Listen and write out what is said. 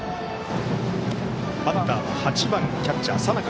バッターは８番キャッチャー佐仲。